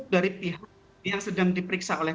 dari pihak yang sedang diperiksa oleh